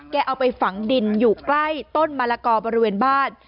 เอาไปฝังดินอยู่ใกล้ต้นมะละกอบริเวณบ้าน